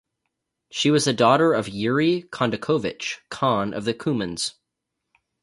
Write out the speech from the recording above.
She was a daughter of Yuri Kondakovich, Khan of the Cumans.